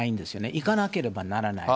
行かなければならない。